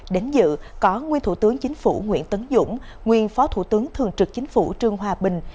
đến dự có nguyên thủ tướng chính phủ nguyễn tấn dũng nguyên phó thủ tướng thường trực chính phủ trương hòa bình